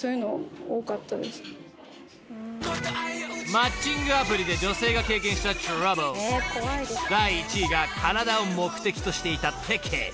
［マッチングアプリで女性が経験したトラブル第１位が体を目的としていたってケース］